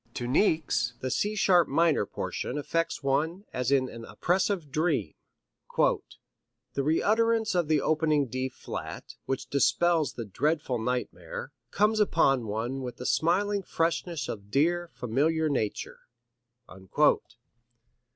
To Niecks, the C sharp minor portion affects one as in an oppressive dream: "The re entrance of the opening D flat, which dispels the dreadful nightmare, comes upon one with the smiling freshness of dear, familiar nature."